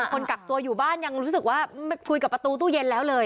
คนกักตัวอยู่บ้านยังรู้สึกว่าคุยกับประตูตู้เย็นแล้วเลย